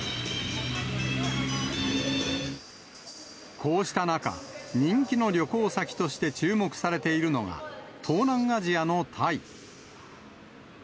こうした中、人気の旅行先として注目されているのが、東南アジアのタイ。